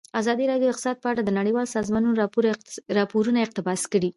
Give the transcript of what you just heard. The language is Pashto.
ازادي راډیو د اقتصاد په اړه د نړیوالو سازمانونو راپورونه اقتباس کړي.